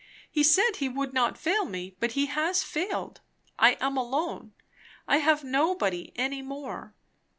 He said he would not fail me, but he has failed. I am alone; I have nobody any more.